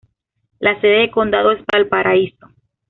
La sede de condado es Valparaiso.